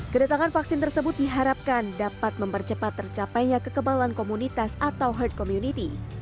kedatangan vaksin tersebut diharapkan dapat mempercepat tercapainya kekebalan komunitas atau herd community